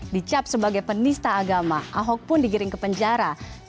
dicap sebagai penista agama ahok pun digiring ke penjara